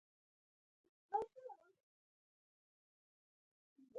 احمد وويل: کورونه ژر غټېږي.